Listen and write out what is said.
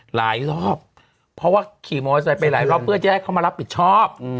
หลายรอบเพราะว่าขีมอตอไซค์ไปเพื่อให้เขามารับผิดชอบ